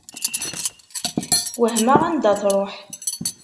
Wehmeɣ anda tṛuḥ.